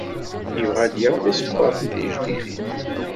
Yebɣa ad d-yaɣ tisebbaḍin tijdidin.